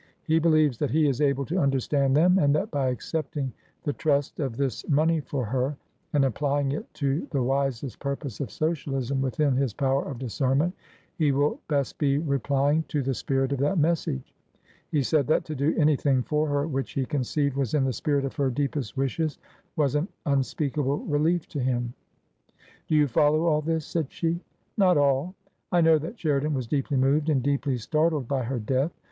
He believes that he is able to understand them, and that by accepting the trust of this money for her, and applying it to the wisest purpose of Socialism within his power of discernment, he will best be replying to the spirit of that message. He said that to do anything for her which he conceived was in the spirit of her deepest wishes was an unspeakable relief to him." Do you follow all this ?" said she. Not all. I know that Sheridan was deeply moved and deeply startled by her death.